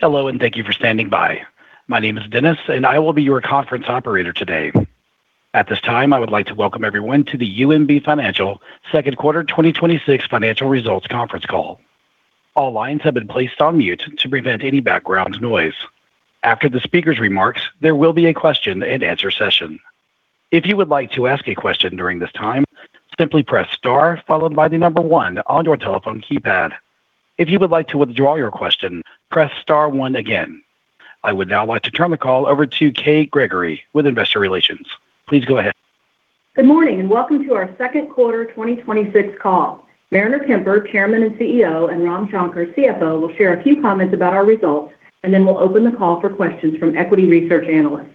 Hello. Thank you for standing by. My name is Dennis. I will be your conference operator today. At this time, I would like to welcome everyone to the UMB Financial second quarter 2026 financial results conference call. All lines have been placed on mute to prevent any background noise. After the speaker's remarks, there will be a question and answer session. If you would like to ask a question during this time, simply press star followed by the number one on your telephone keypad. If you would like to withdraw your question, press star one again. I would now like to turn the call over to Kay Gregory with investor relations. Please go ahead. Good morning. Welcome to our second quarter 2026 call. Mariner Kemper, Chairman and CEO, and Ram Shankar, CFO, will share a few comments about our results, and then we'll open the call for questions from equity research analysts.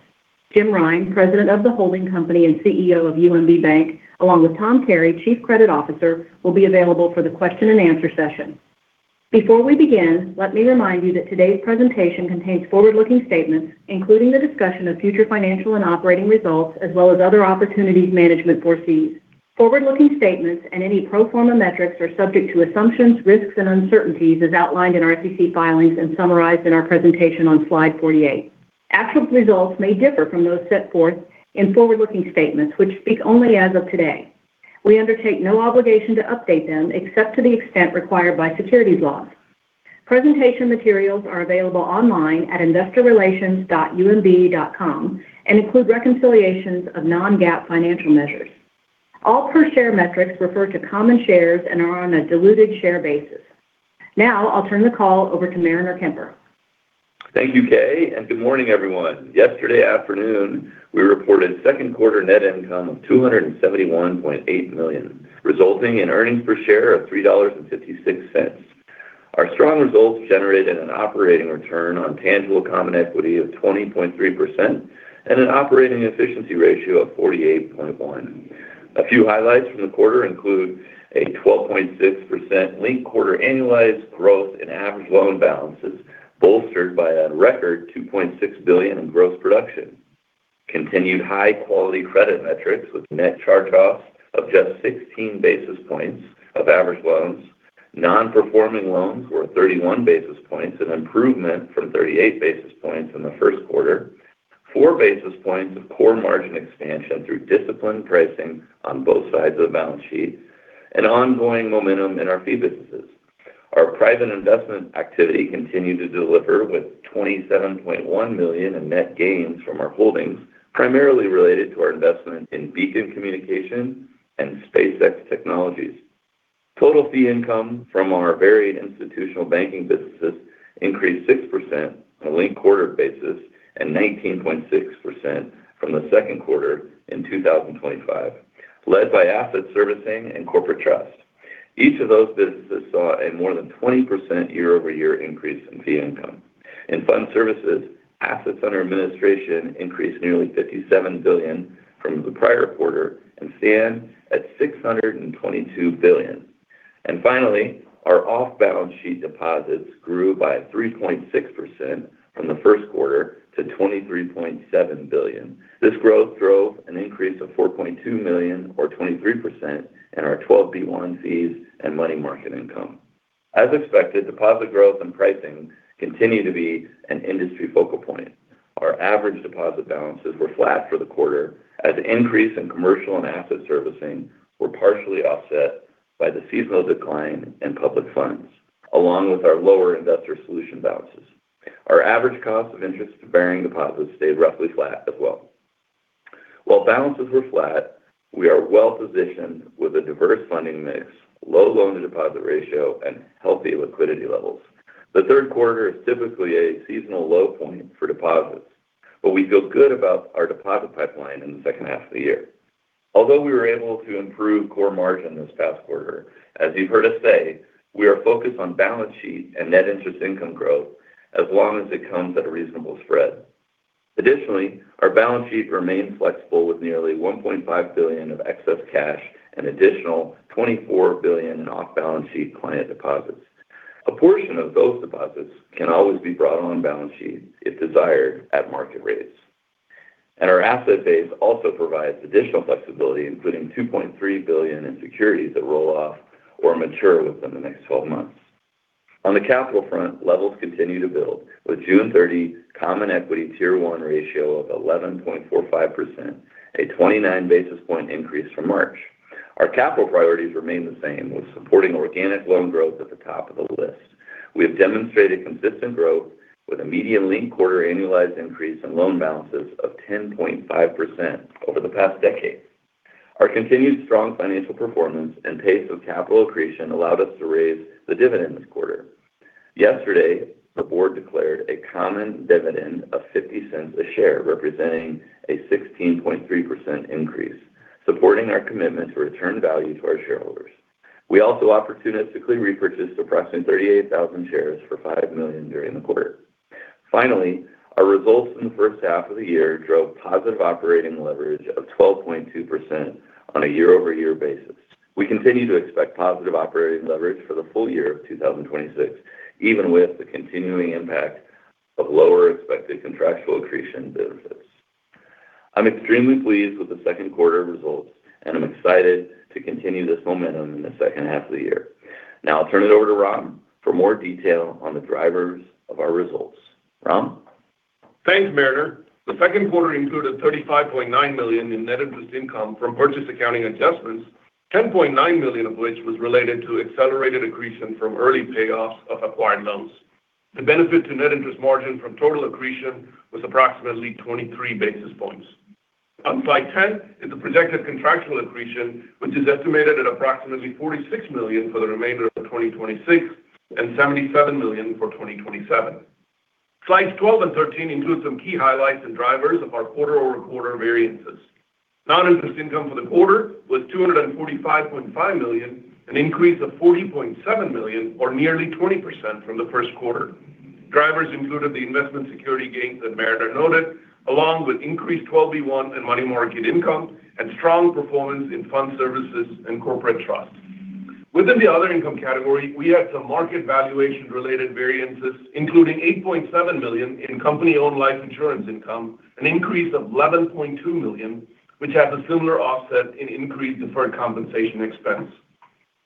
Jim Rine, President of the holding company and CEO of UMB Bank, along with Tom Terry, Chief Credit Officer, will be available for the question and answer session. Before we begin, let me remind you that today's presentation contains forward-looking statements, including the discussion of future financial and operating results, as well as other opportunities management foresees. Forward-looking statements and any pro forma metrics are subject to assumptions, risks, and uncertainties as outlined in our SEC filings and summarized in our presentation on slide 48. Actual results may differ from those set forth in forward-looking statements, which speak only as of today. We undertake no obligation to update them except to the extent required by securities laws. Presentation materials are available online at investorrelations.umb.com and include reconciliations of non-GAAP financial measures. All per share metrics refer to common shares and are on a diluted share basis. Now, I'll turn the call over to Mariner Kemper. Thank you, Kay. Good morning, everyone. Yesterday afternoon, we reported second quarter net income of $271.8 million, resulting in earnings per share of $3.56. Our strong results generated an operating return on tangible common equity of 20.3% and an operating efficiency ratio of 48.1%. A few highlights from the quarter include a 12.6% linked quarter annualized growth in average loan balances, bolstered by a record $2.6 billion in gross production. Continued high-quality credit metrics with net charge-offs of just 16 basis points of average loans. Non-performing loans were 31 basis points, an improvement from 38 basis points in the first quarter. Four basis points of core margin expansion through disciplined pricing on both sides of the balance sheet. Ongoing momentum in our fee businesses. Our private investment activity continued to deliver with $27.1 million in net gains from our holdings, primarily related to our investment in Beacon Communications and SpaceX Technologies. Total fee income from our varied institutional banking businesses increased 6% on a linked quarter basis and 19.6% from the second quarter in 2025, led by asset servicing and corporate trust. Each of those businesses saw a more than 20% year-over-year increase in fee income. Finally, our off-balance sheet deposits grew by 3.6% from the first quarter to $23.7 billion. This growth drove an increase of $4.2 million or 23% in our 12b-1 fees and money market income. As expected, deposit growth and pricing continue to be an industry focal point. Our average deposit balances were flat for the quarter as increase in commercial and asset servicing were partially offset by the seasonal decline in public funds, along with our lower investor solution balances. Our average cost of interest-bearing deposits stayed roughly flat as well. While balances were flat, we are well-positioned with a diverse funding mix, low loan-to-deposit ratio, and healthy liquidity levels. The third quarter is typically a seasonal low point for deposits, but we feel good about our deposit pipeline in the second half of the year. Although we were able to improve core margin this past quarter, as you've heard us say, we are focused on balance sheet and net interest income growth as long as it comes at a reasonable spread. Additionally, our balance sheet remains flexible with nearly $1.5 billion of excess cash and additional $24 billion in off-balance sheet client deposits. A portion of those deposits can always be brought on-balance sheet if desired at market rates. Our asset base also provides additional flexibility, including $2.3 billion in securities that roll off or mature within the next 12 months. On the capital front, levels continue to build, with June 30 common equity Tier 1 ratio of 11.45%, a 29 basis point increase from March. Our capital priorities remain the same, with supporting organic loan growth at the top of the list. We have demonstrated consistent growth with a median linked-quarter annualized increase in loan balances of 10.5% over the past decade. Our continued strong financial performance and pace of capital accretion allowed us to raise the dividend this quarter. Yesterday, the board declared a common dividend of $0.50 a share, representing a 16.3% increase, supporting our commitment to return value to our shareholders. We also opportunistically repurchased approximately 38,000 shares for $5 million during the quarter. Finally, our results in the first half of the year drove positive operating leverage of 12.2% on a year-over-year basis. We continue to expect positive operating leverage for the full year of 2026, even with the continuing impact of lower expected contractual accretion business. I'm extremely pleased with the second quarter results, and I'm excited to continue this momentum in the second half of the year. Now I'll turn it over to Ram for more detail on the drivers of our results. Ram? Thanks, Mariner. The second quarter included $35.9 million in net interest income from purchase accounting adjustments, $10.9 million of which was related to accelerated accretion from early payoffs of acquired loans. The benefit to net interest margin from total accretion was approximately 23 basis points. On slide 10 is the projected contractual accretion, which is estimated at approximately $46 million for the remainder of 2026 and $77 million for 2027. Slides 12 and 13 include some key highlights and drivers of our quarter-over-quarter variances. Non-interest income for the quarter was $245.5 million, an increase of $40.7 million, or nearly 20% from the first quarter. Drivers included the investment security gains that Mariner noted, along with increased 12b-1 and money market income and strong performance in fund services and corporate trust. Within the other income category, we had some market valuation-related variances, including $8.7 million in company-owned life insurance income, an increase of $11.2 million, which has a similar offset in increased deferred compensation expense.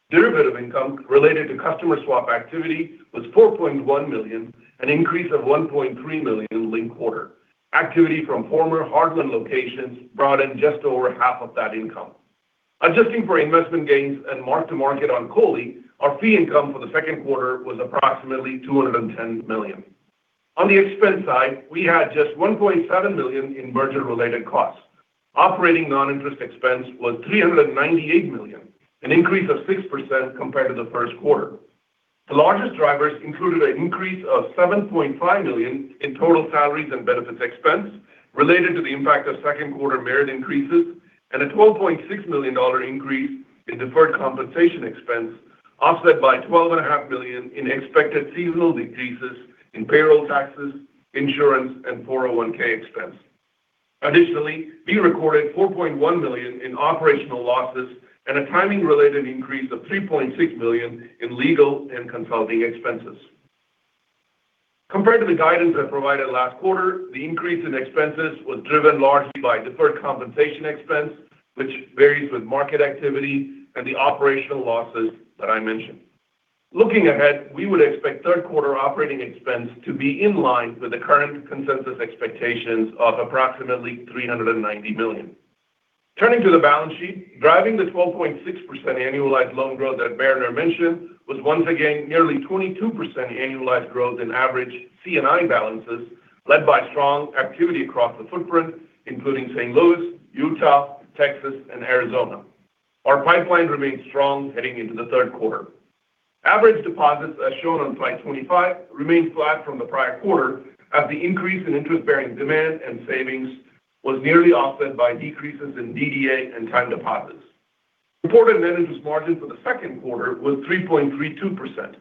Derivative income related to customer swap activity was $4.1 million, an increase of $1.3 million linked-quarter. Activity from former Heartland locations brought in just over half of that income. Adjusting for investment gains and mark-to-market on COLI, our fee income for the second quarter was approximately $210 million. On the expense side, we had just $1.7 million in merger-related costs. Operating non-interest expense was $398 million, an increase of 6% compared to the first quarter. The largest drivers included an increase of $7.5 million in total salaries and benefits expense related to the impact of second-quarter merit increases and a $12.6 million increase in deferred compensation expense, offset by $12.5 million in expected seasonal decreases in payroll taxes, insurance, and 401(k) expense. We recorded $4.1 million in operational losses and a timing-related increase of $3.6 million in legal and consulting expenses. Compared to the guidance I provided last quarter, the increase in expenses was driven largely by deferred compensation expense, which varies with market activity and the operational losses that I mentioned. We would expect third-quarter operating expenses to be in line with the current consensus expectations of approximately $390 million. Turning to the balance sheet, driving the 12.6% annualized loan growth that Mariner mentioned was once again nearly 22% annualized growth in average C&I balances, led by strong activity across the footprint, including St. Louis, Utah, Texas, and Arizona. Our pipeline remains strong heading into the third quarter. Average deposits, as shown on slide 25, remained flat from the prior quarter as the increase in interest-bearing demand and savings was nearly offset by decreases in DDA and time deposits. Reported net interest margin for the second quarter was 3.32%.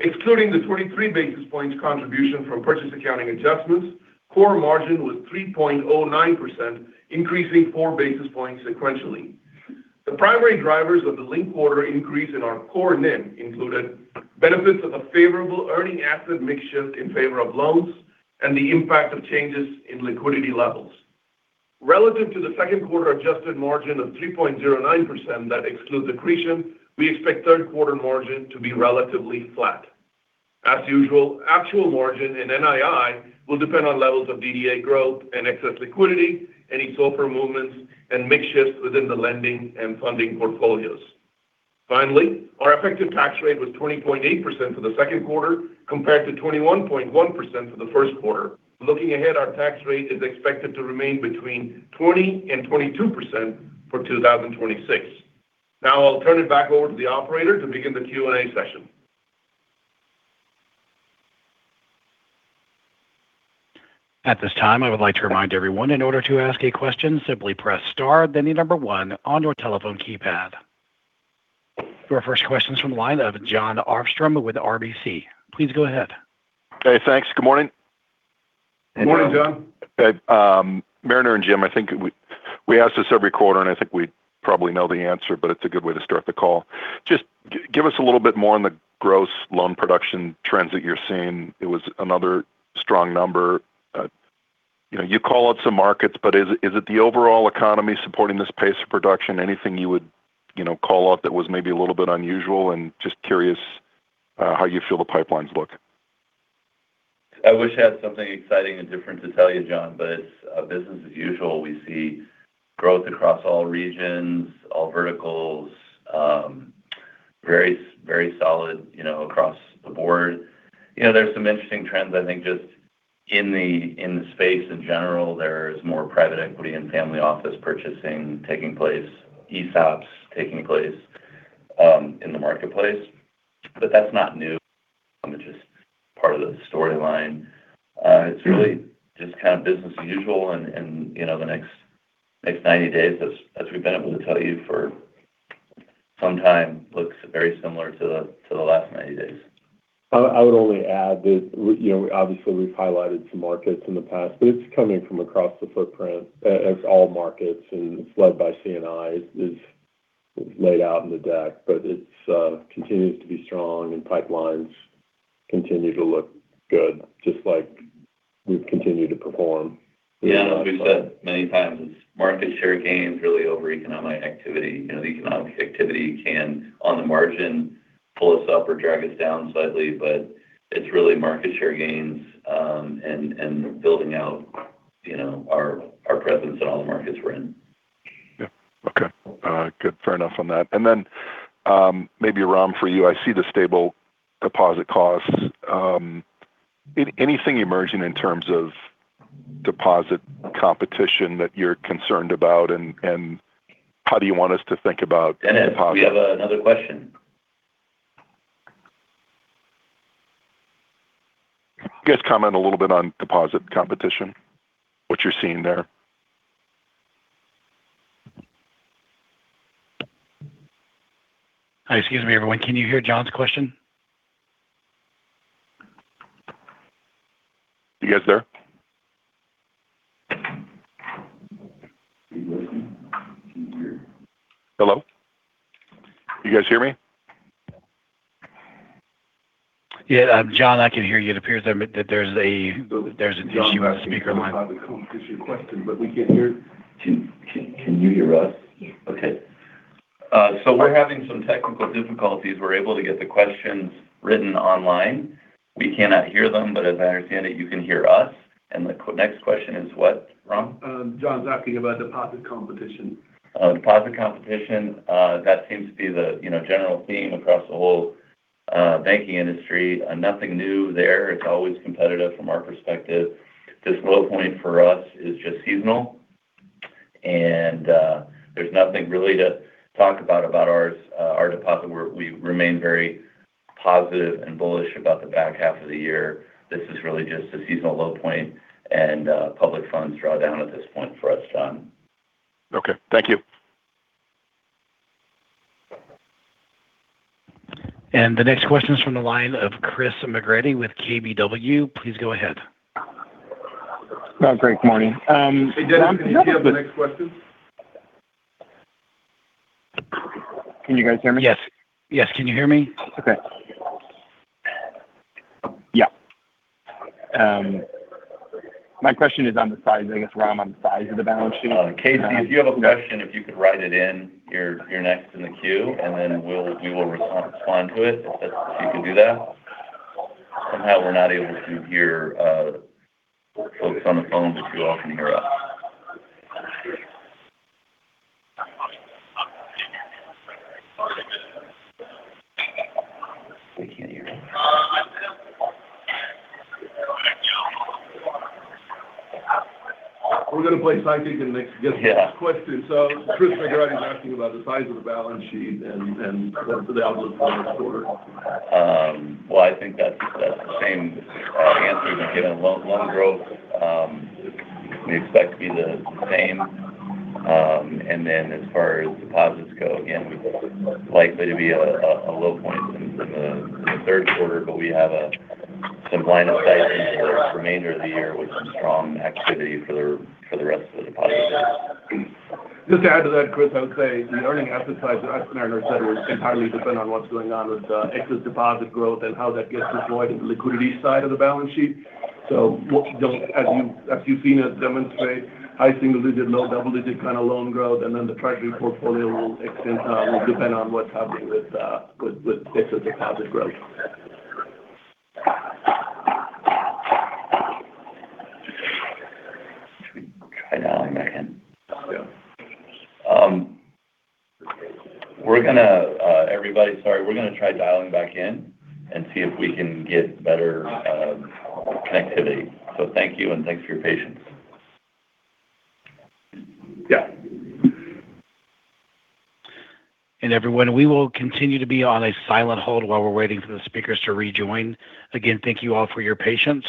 Excluding the 23 basis points contribution from purchase accounting adjustments, core margin was 3.09%, increasing four basis points sequentially. The primary drivers of the linked-quarter increase in our core NIM included benefits of a favorable earning asset mix shift in favor of loans and the impact of changes in liquidity levels. Relative to the second quarter adjusted margin of 3.09% that excludes accretion, we expect third quarter margin to be relatively flat. As usual, actual margin and NII will depend on levels of DDA growth and excess liquidity, any SOFR movements, and mix shifts within the lending and funding portfolios. Finally, our effective tax rate was 20.8% for the second quarter compared to 21.1% for the first quarter. Looking ahead, our tax rate is expected to remain between 20% and 22% for 2026. Now I'll turn it back over to the operator to begin the Q&A session. At this time, I would like to remind everyone, in order to ask a question, simply press star then the number one on your telephone keypad. Your first question's from the line of Jon Arfstrom with RBC. Please go ahead. Okay, thanks. Good morning. Morning, Jon. Mariner and Jim, I think we ask this every quarter. I think we probably know the answer, but it's a good way to start the call. Just give us a little bit more on the gross loan production trends that you're seeing. It was another strong number. You call out some markets. Is it the overall economy supporting this pace of production? Anything you would call out that was maybe a little bit unusual? Just curious how you feel the pipelines look. I wish I had something exciting and different to tell you, Jon. It's business as usual. We see growth across all regions, all verticals. Very solid across the board. There's some interesting trends, I think, just in the space in general. There's more private equity and family office purchasing taking place, ESOPs taking place in the marketplace. That's not new. It's just part of the storyline. It's really just kind of business as usual. The next 90 days, as we've been able to tell you for some time, look very similar to the last 90 days. I would only add that obviously we've highlighted some markets in the past. It's coming from across the footprint as all markets. It's led by C&I as laid out in the deck. It continues to be strong in pipelines. Continue to look good, just like we've continued to perform. Yeah. As we've said many times, it's market share gains really over economic activity. The economic activity can, on the margin, pull us up or drag us down slightly. It's really market share gains and building out our presence in all the markets we're in. Yeah. Okay. Good. Fair enough on that. Maybe, Ram, for you, I see the stable deposit costs. Anything emerging in terms of deposit competition that you're concerned about, and how do you want us to think about- Dennis, we have another question Just comment a little bit on deposit competition, what you're seeing there. Excuse me, everyone. Can you hear Jon's question? You guys there? Are you listening? Can you hear? Hello? You guys hear me? Yeah. Jon, I can hear you. It appears that there's an issue on the speaker line. Jon, we can't hear the competition question we can hear. Can you hear us? Yes. Okay. We're having some technical difficulties. We're able to get the questions written online. We cannot hear them; as I understand it, you can hear us. The next question is what, Ram? Jon's asking about deposit competition. Deposit competition—that seems to be the general theme across the whole banking industry. Nothing new there. It's always competitive from our perspective. This low point for us is just seasonal, there's nothing really to talk about our deposit. We remain very positive and bullish about the back half of the year. This is really just a seasonal low point, and public funds draw down at this point for us, Jon. Okay. Thank you. The next question's from the line of Chris McGratty with KBW. Please go ahead. Great morning. Hey, Dennis, can you take the next question? Can you guys hear me? Yes. Can you hear me? Okay. Yeah. My question is on the size, I guess, Ram, on the size of the balance sheet. Casey, if you have a question, if you could write it in, you're next in the queue, and then we will respond to it if you can do that. Somehow we're not able to hear folks on the phone, but you all can hear us. We can't hear him. We're going to play psychic and take the next guest question. Yeah. Chris McGratty's asking about the size of the balance sheet and what's the outlook for next quarter. I think that's the same answer as given loan growth. We expect it to be the same. As far as deposits go, again, we're likely to be at a low point in the third quarter, but we have some line of sight into the remainder of the year with some strong activity for the rest of the deposit base. Just to add to that, Chris, I would say the earning asset side that Mariner said will entirely depend on what's going on with excess deposit growth and how that gets deployed in the liquidity side of the balance sheet. As you've seen us demonstrate high single-digit, low double-digit kind of loan growth, and then the treasury portfolio will depend on what's happening with excess deposit growth. Should we try dialing back in? Yeah. Everybody, sorry. We're going to try dialing back in and see if we can get better connectivity. Thank you, and thanks for your patience. Yeah. Everyone, we will continue to be on a silent hold while we're waiting for the speakers to rejoin. Again, thank you all for your patience.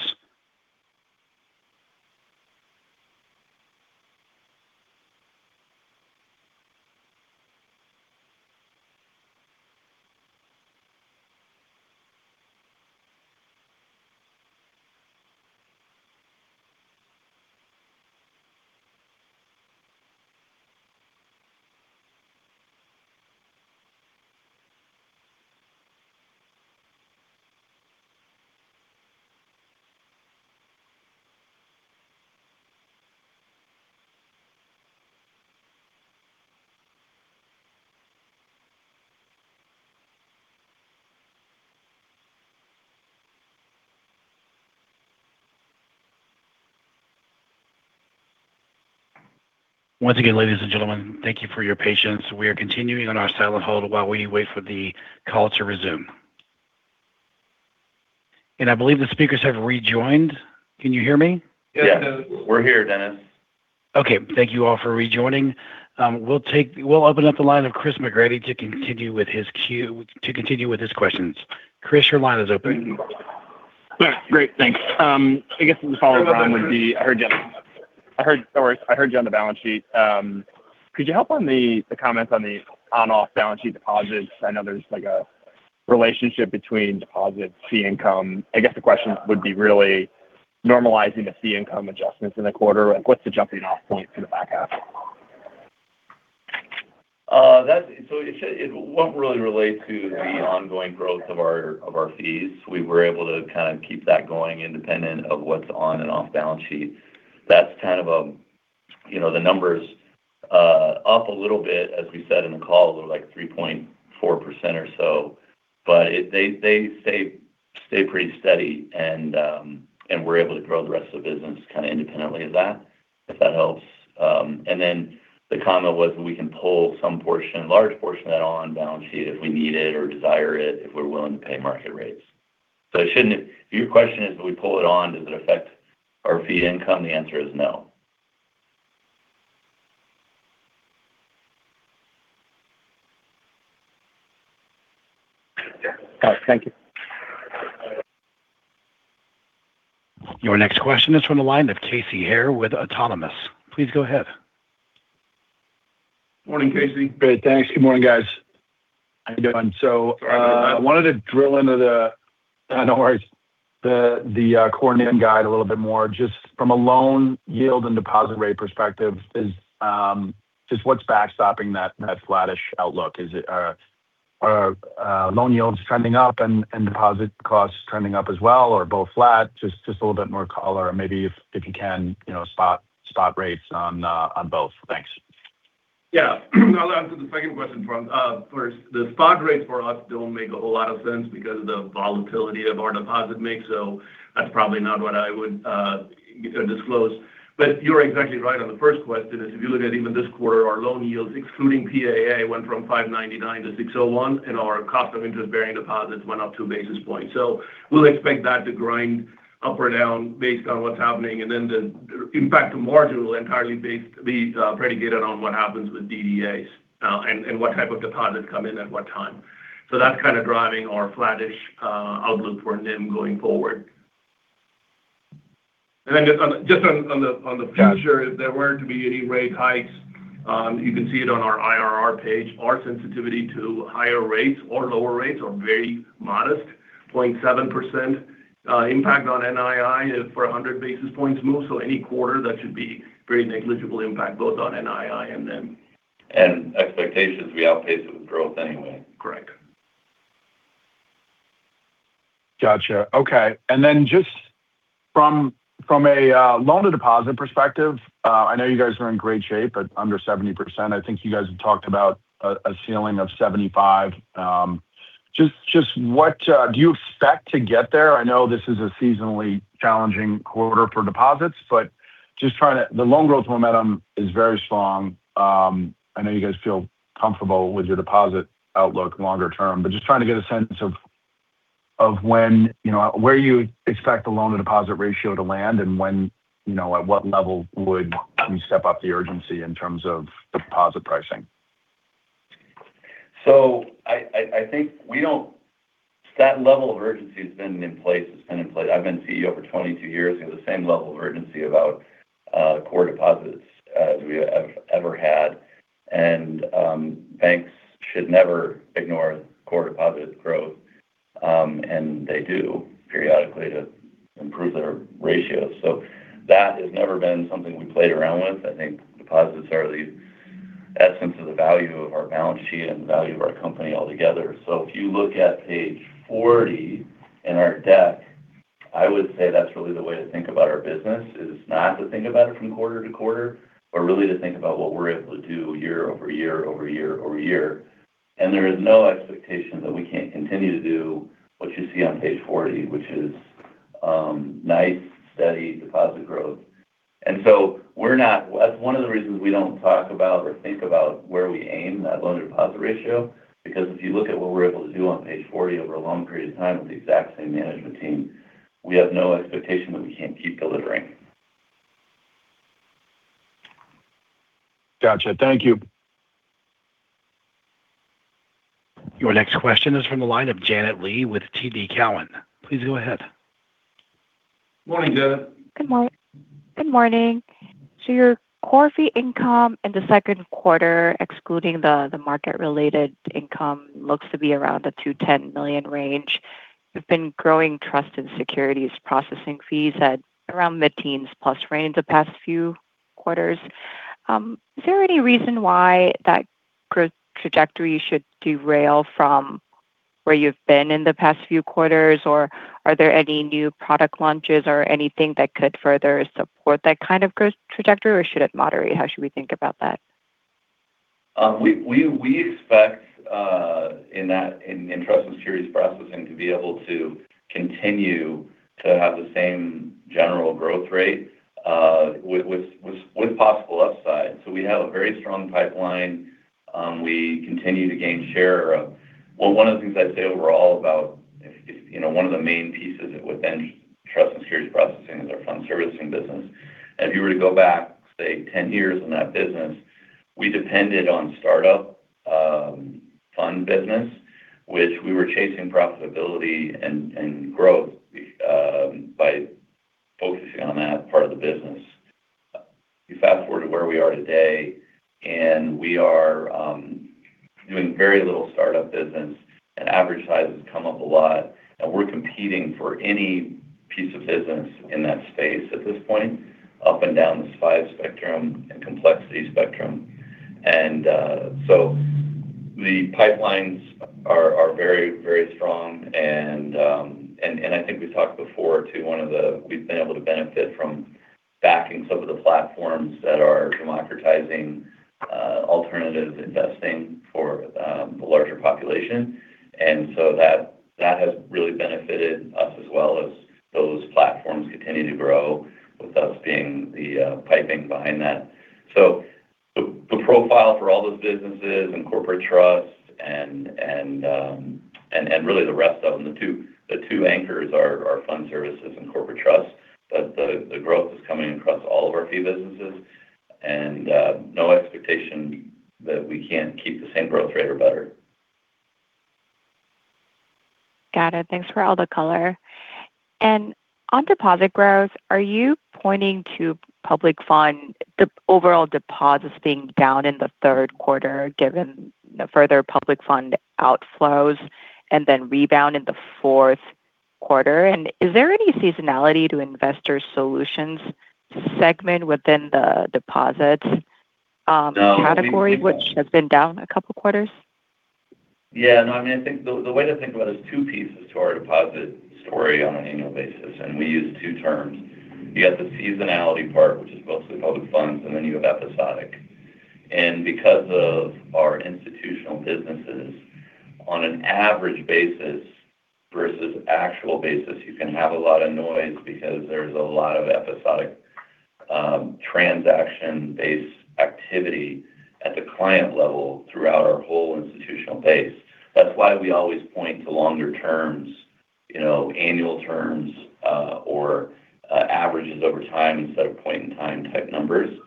Once again, ladies and gentlemen, thank you for your patience. We are continuing on our silent hold while we wait for the call to resume. I believe the speakers have rejoined. Can you hear me? Yeah. Yes. We're here, Dennis. Okay. Thank you all for rejoining. We'll open up the line of Chris McGratty to continue with his questions. Chris, your line is open. Great. Thanks. I guess the follow-up line would be, I heard you on the balance sheet. Could you help on the comments on the on/off-balance sheet deposits? I know there's a relationship between deposits, fee income. I guess the question would be really normalizing the fee income adjustments in the quarter. What's the jumping off point for the back half? It won't really relate to the ongoing growth of our fees. We were able to keep that going independent of what's on and off balance sheets. The number's up a little bit, as we said in the call, like 3.4% or so, but they stay pretty steady. We're able to grow the rest of the business kind of independently of that, if that helps. The comment was that we can pull some portion, a large portion of that on-balance sheet, if we need it or desire it, if we're willing to pay market rates. If your question is if we pull it on, does it affect our fee income, the answer is no. All right. Thank you. Your next question is from the line of Casey Haire with Autonomous. Please go ahead. Morning, Casey. Great. Thanks. Good morning, guys. How are you doing? I wanted to drill into. No worries. The core NIM guide a little bit more, just from a loan yield and deposit rate perspective, just what's backstopping that flattish outlook? Is it loan yields trending up and deposit costs trending up as well, or both flat? Just a little bit more color, maybe if you can, spot rates on both. Thanks. I'll answer the second question first. The spot rates for us don't make a whole lot of sense because of the volatility of our deposit mix; that's probably not what I would disclose. You're exactly right on the first question. If you look at even this quarter, our loan yields, excluding PAA, went from 599 to 601, and our cost of interest-bearing deposits went up two basis points. We'll expect that to grind up or down based on what's happening. The impact to margin will entirely be predicated on what happens with DDAs and what type of deposits come in at what time. That's kind of driving our flattish outlook for NIM going forward. Yeah If there were to be any rate hikes, you can see it on our IRR page. Our sensitivity to higher rates or lower rates are very modest, 0.7%. Impact on NII is for 100 basis points move, so any quarter, that should be very negligible impact both on NII and NIM. Expectations—we outpace it with growth anyway. Correct. Gotcha. Okay. Just from a loan-to-deposit perspective, I know you guys are in great shape at under 70%. I think you guys have talked about a ceiling of 75%. Do you expect to get there? I know this is a seasonally challenging quarter for deposits, but the loan growth momentum is very strong. I know you guys feel comfortable with your deposit outlook longer term, but just trying to get a sense of where you expect the loan-to-deposit ratio to land and at what level would you step up the urgency in terms of deposit pricing? I think that level of urgency has been in place. I've been CEO for 22 years. We have the same level of urgency about core deposits as we have ever had. Banks should never ignore core deposit growth. They do periodically to improve their ratios. That has never been something we played around with. I think deposits are the essence of the value of our balance sheet and the value of our company altogether. If you look at page 40 in our deck, I would say that's really the way to think about our business is not to think about it from quarter to quarter, but really to think about what we're able to do year over year over year over year. There is no expectation that we can't continue to do what you see on page 40, which is nice, steady deposit growth. That's one of the reasons we don't talk about or think about where we aim that loan-to-deposit ratio because if you look at what we're able to do on page 40 over a long period of time with the exact same management team, we have no expectation that we can't keep delivering. Gotcha. Thank you. Your next question is from the line of Janet Lee with TD Cowen. Please go ahead. Morning, Janet. Good morning. Your core fee income in the second quarter, excluding the market-related income, looks to be around the $210 million range. You've been growing trust and securities processing fees at around the mid-teens-plus range the past few quarters. Is there any reason why that growth trajectory should derail from where you've been in the past few quarters? Are there any new product launches or anything that could further support that kind of growth trajectory, or should it moderate? How should we think about that? We expect in trust and securities processing to be able to continue to have the same general growth rate with possible upside. We have a very strong pipeline. We continue to gain share. Well, one of the things I'd say overall about one of the main pieces within trust and securities processing is our fund servicing business. If you were to go back, say, 10 years in that business, we depended on startup fund business, which we were chasing profitability and growth by focusing on that part of the business. You fast-forward to where we are today, and we are doing very little startup business, and average sizes come up a lot, and we're competing for any piece of business in that space at this point, up and down this size spectrum and complexity spectrum. The pipelines are very strong, and I think we talked before too; we've been able to benefit from backing some of the platforms that are democratizing alternative investing for the larger population. That has really benefited us as well as those platforms continue to grow with us being the piping behind that. The profile for all those businesses and corporate trusts and really the rest of them, the two anchors are fund services and corporate trust. The growth is coming across all of our fee businesses and no expectation that we can't keep the same growth rate or better. Got it. Thanks for all the color. On deposit growth, are you pointing to public funds, the overall deposits being down in the third quarter, given the further public fund outflows and then rebound in the fourth quarter? Is there any seasonality to investors' solutions segment within the deposits No Category, which has been down a couple quarters? Yeah, no, the way to think about it is two pieces to our deposit story on an annual basis, and we use two terms. You got the seasonality part, which is mostly public funds, and then you have episodic. Because of our institutional businesses on an average basis versus actual basis, you can have a lot of noise because there's a lot of episodic, transaction-based activity at the client level throughout our whole institutional base. That's why we always point to longer terms, annual terms, or averages over time instead of point-in-time type numbers.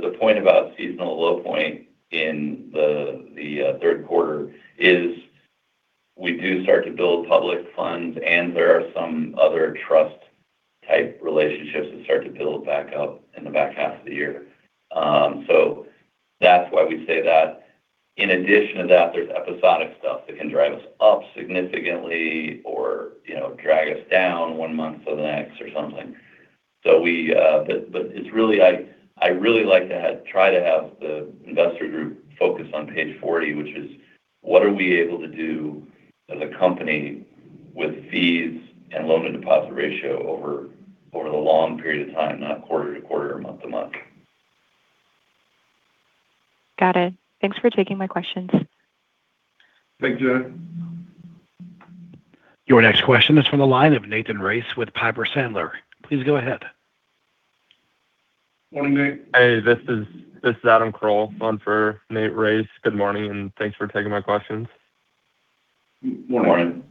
The point about seasonal low point in the third quarter is we do start to build public funds, and there are some other trust-type relationships that start to build back up in the back half of the year. That's why we say that. In addition to that, there's episodic stuff that can drive us up significantly or drag us down one month to the next or something. I really like to try to have the investor group focus on page 40, which is what are we able to do as a company with fees and loan-to-deposit ratio over the long period of time, not quarter to quarter or month to month. Got it. Thanks for taking my questions. Thank you. Your next question is from the line of Nathan Race with Piper Sandler. Please go ahead. Morning, Nate. Hey, this is Adam Crowell on for Nate Race. Good morning, and thanks for taking my questions. Morning.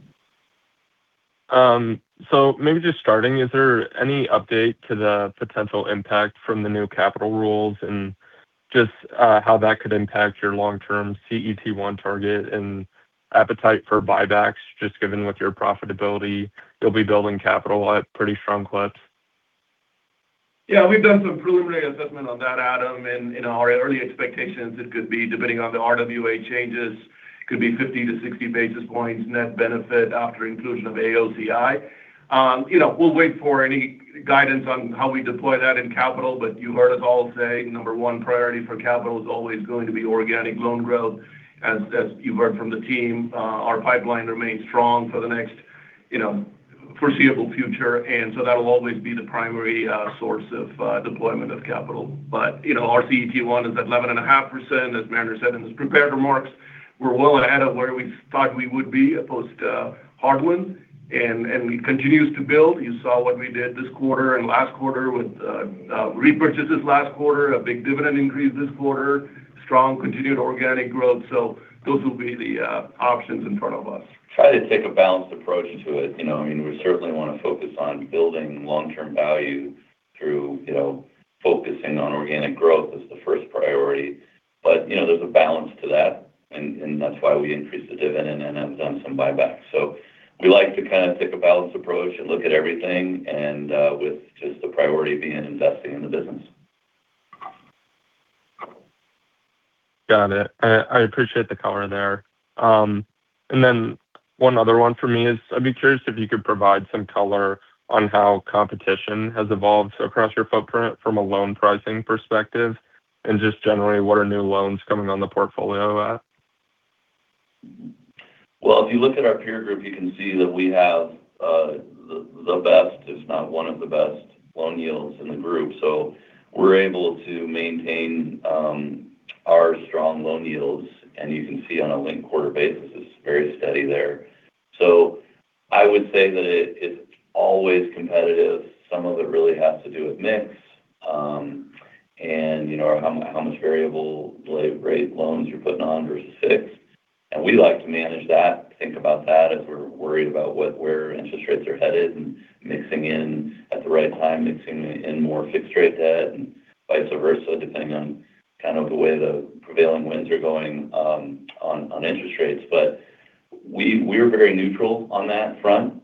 Maybe just starting, is there any update to the potential impact from the new capital rules and just how that could impact your long-term CET1 target and appetite for buybacks, just given with your profitability? You'll be building capital at a pretty strong clip. Yeah, we've done some preliminary assessment on that, Adam, and our early expectations, it could be, depending on the RWA changes, it could be 50 to 60 basis points net benefit after inclusion of AOCI. We'll wait for any guidance on how we deploy that in capital; you heard us all say number one priority for capital is always going to be organic loan growth. As you've heard from the team, our pipeline remains strong for the next foreseeable future; that'll always be the primary source of deployment of capital. Our CET1 is at 11.5%, as Mariner said in his prepared remarks. We're well ahead of where we thought we would be at post-Heartland, and it continues to build. You saw what we did this quarter and last quarter with repurchases last quarter, a big dividend increase this quarter, strong continued organic growth. Those will be the options in front of us. Try to take a balanced approach to it. We certainly want to focus on building long-term value through focusing on organic growth as the first priority. There's a balance to that, and that's why we increased the dividend and have done some buybacks. We like to kind of take a balanced approach and look at everything and with just the priority being investing in the business. Got it. I appreciate the color there. One other one for me is I'd be curious if you could provide some color on how competition has evolved across your footprint from a loan pricing perspective and just generally what are new loans coming on the portfolio at? Well, if you look at our peer group, you can see that we have the best, if not one of the best loan yields in the group. We're able to maintain our strong loan yields, and you can see on a linked quarter basis, it's very steady there. I would say that it's always competitive. Some of it really has to do with mix, and how much variable rate loans you're putting on versus fixed. We like to manage that, think about that as we're worried about where interest rates are headed and mixing in at the right time, mixing in more fixed-rate debt and vice versa, depending on kind of the way the prevailing winds are going on interest rates. We're very neutral on that front.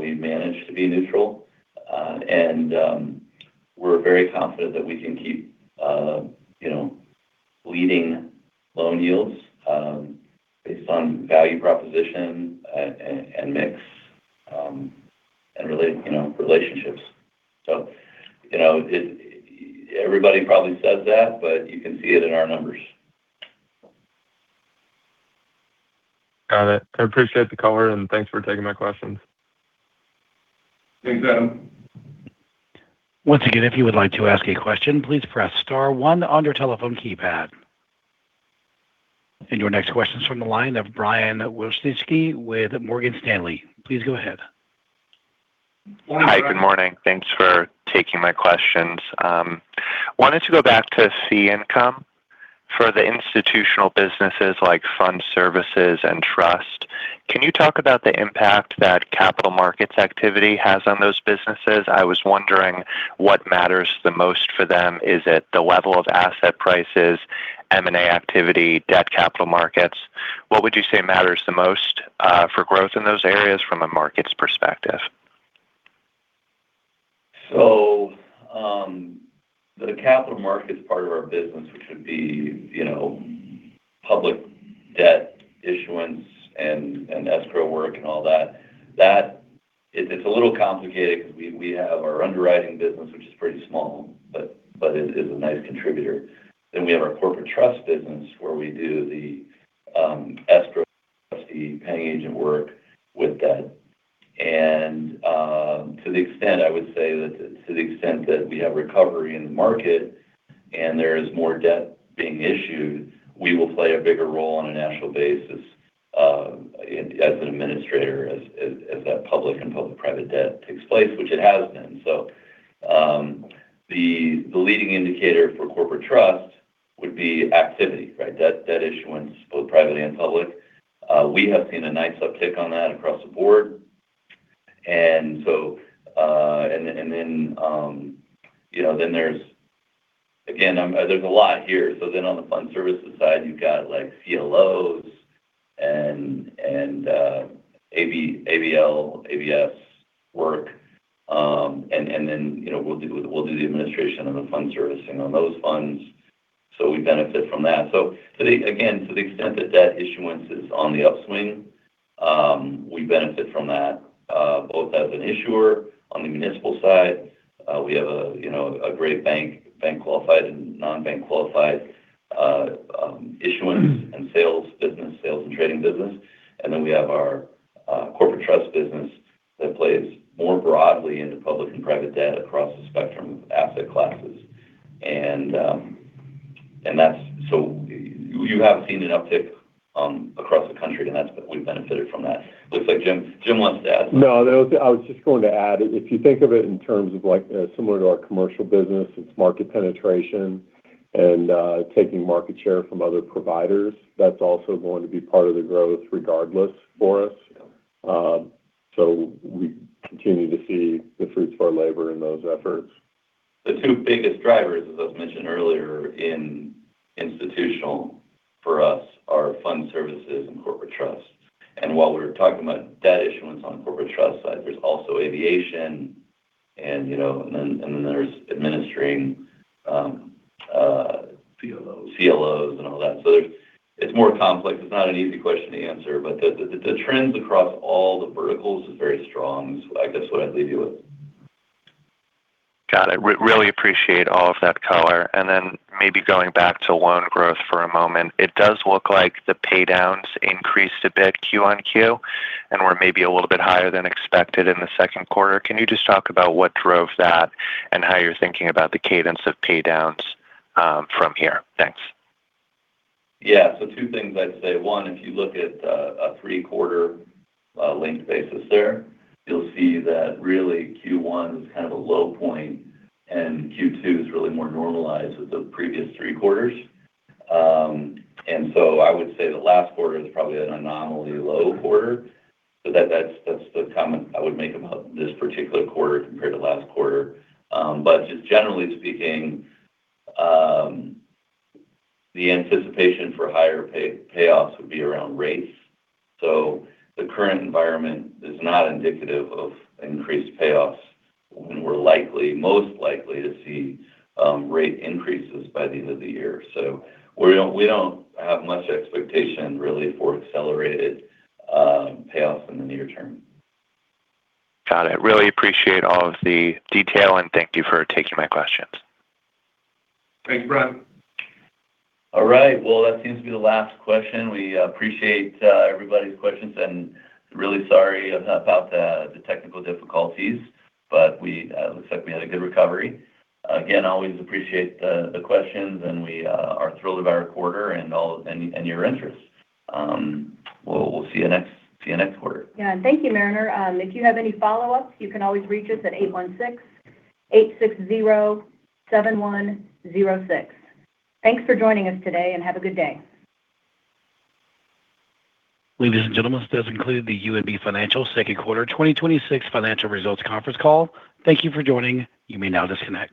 We've managed to be neutral, and we're very confident that we can keep leading loan yields based on value proposition and mix and relationships. Everybody probably says that, but you can see it in our numbers. Got it. I appreciate the color, and thanks for taking my questions. Thanks, Adam. Once again, if you would like to ask a question, please press star one on your telephone keypad. Your next question's from the line of Brian Wilczynski with Morgan Stanley. Please go ahead. Hi. Good morning. Thanks for taking my questions. Wanted to go back to fee income for the institutional businesses like fund services and trust. Can you talk about the impact that capital markets activity has on those businesses? I was wondering what matters the most for them. Is it the level of asset prices, M&A activity, debt capital markets? What would you say matters the most for growth in those areas from a market's perspective? The capital markets part of our business, which would be public debt issuance and escrow work and all that, it's a little complicated because we have our underwriting business, which is pretty small but is a nice contributor. We have our corporate trust business, where we do the escrow, trustee, paying agent work with debt. To the extent that we have recovery in the market and there is more debt being issued, we will play a bigger role on a national basis as an administrator as that public and public-private debt takes place, which it has been. The leading indicator for corporate trust would be activity, right? Debt issuance, both privately and public. We have seen a nice uptick on that across the board. Then there's a lot here. On the fund services side, you've got CLOs and ABL, ABS work. We'll do the administration and the fund servicing on those funds. We benefit from that. Again, to the extent that debt issuance is on the upswing, we benefit from that, both as an issuer on the municipal side. We have a great bank-qualified and non-bank-qualified issuance and sales business, sales and trading business. We have our corporate trust business that plays more broadly into public and private debt across the spectrum of asset classes. You have seen an uptick across the country, and we've benefited from that. Looks like Jim wants to add something. No, I was just going to add, if you think of it in terms of similar to our commercial business, it's market penetration and taking market share from other providers. That's also going to be part of the growth regardless for us. Yeah. We continue to see the fruits of our labor in those efforts. The two biggest drivers, as I've mentioned earlier in institutional for us, are fund services and corporate trust. While we were talking about debt issuance on the corporate trust side, there's also aviation, and then there's administering. CLOs CLOs and all that. It's more complex. It's not an easy question to answer, but the trends across all the verticals is very strong. That's what I'd leave you with. Got it. Really appreciate all of that color. Maybe going back to loan growth for a moment, it does look like the paydowns increased a bit Q on Q and were maybe a little bit higher than expected in the second quarter. Can you just talk about what drove that and how you're thinking about the cadence of paydowns from here? Thanks. Yeah. Two things I'd say. One, if you look at a three-quarter link basis there, you'll see that really Q1 was kind of a low point, and Q2 is really more normalized with the previous three quarters. I would say the last quarter is probably an anomaly low quarter. That's the comment I would make about this particular quarter compared to last quarter. Just generally speaking, the anticipation for higher payoffs would be around rates. The current environment is not indicative of increased payoffs when we're most likely to see rate increases by the end of the year. We don't have much expectation really for accelerated payoffs in the near term. Got it. Really appreciate all of the detail, and thank you for taking my questions. Thanks, Brian. All right. Well, that seems to be the last question. We appreciate everybody's questions. Really sorry about the technical difficulties, looks like we had a good recovery. Again, always appreciate the questions, and we are thrilled about our quarter and your interest. We'll see you next quarter. Yeah. Thank you, Mariner. If you have any follow-ups, you can always reach us at 816-860-7106. Thanks for joining us today; have a good day. Ladies and gentlemen, this does conclude the UMB Financial Second Quarter 2026 Financial Results Conference Call. Thank you for joining. You may now disconnect.